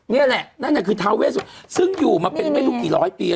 นี่แหละนั่นแหละคือทาเวสสวรรค์ซึ่งอยู่มาเป็นไม่รู้กี่ร้อยปีอ่ะน่ะ